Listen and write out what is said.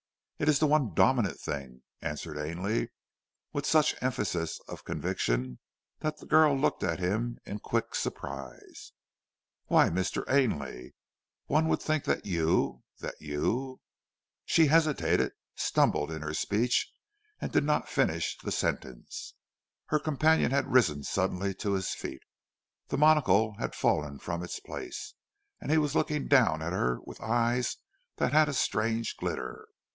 "It is the one dominant thing," answered Ainley, with such emphasis of conviction that the girl looked at him in quick surprise. "Why, Mr. Ainley, one would think that you that you " she hesitated, stumbled in her speech, and did not finish the sentence. Her companion had risen suddenly to his feet. The monocle had fallen from its place, and he was looking down at her with eyes that had a strange glitter.